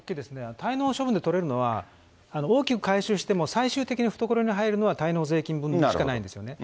滞納処分で取れるのは、大きく回収しても最終的な懐に入るのは滞納税金分しかないんですよね。